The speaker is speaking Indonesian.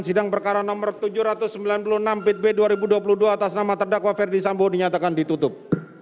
sidang perkara nomor tujuh ratus sembilan puluh enam bitb dua ribu dua puluh dua atas nama terdakwa ferdi sambo dinyatakan ditutup